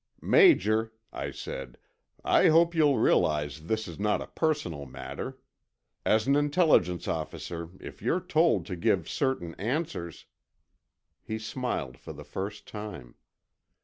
"Major," I said, "I hope you'll realize this is not a personal matter. As an Intelligence officer, if you're told to give certain answers—" He smiled for the first time.